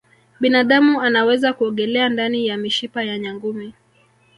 binadamu anaweza kuogelea ndani ya mishipa ya nyangumi